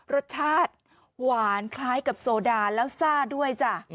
รสชาติหวานคล้ายกับโซดาแล้วซ่าด้วยจ้ะ